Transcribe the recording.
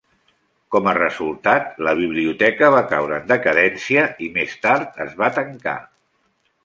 Com a resultat, la biblioteca va caure en decadència i més tard es va tancar.